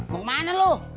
mau kemana lu